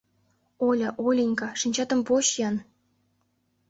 — Оля, Оленька, шинчатым поч-ян.